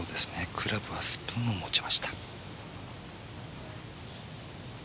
クラブはスプーンを持ちました。